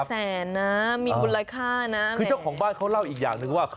แสนนะมีมูลค่านะคือเจ้าของบ้านเขาเล่าอีกอย่างหนึ่งว่า